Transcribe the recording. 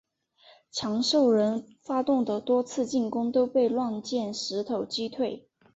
强兽人发动的多次进攻都被乱箭石头击退。